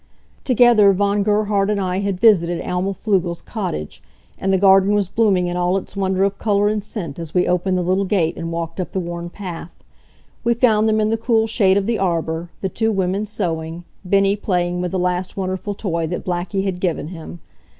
Together Von Gerhard and I had visited Alma Pflugel's cottage, and the garden was blooming in all its wonder of color and scent as we opened the little gate and walked up the worn path. We found them in the cool shade of the arbor, the two women sewing, Bennie playing with the last wonderful toy that Blackie had given him.